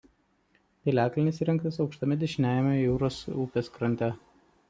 Piliakalnis įrengtas aukštame dešiniajame Jūros upės krante.